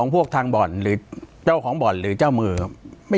ปากกับภาคภูมิ